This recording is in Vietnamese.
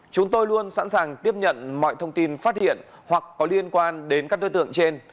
chúng tôi luôn sẵn sàng tiếp nhận mọi thông tin phát hiện hoặc có liên quan đến các đối tượng trên